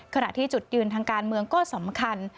ขณะที่จุดยืนทางการเมืองก็สำคัญ